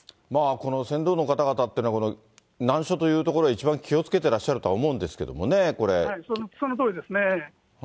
この船頭の方々っていうのは、難所という所は一番気をつけてらっしゃるとは思うんですけれどもそのとおりですね。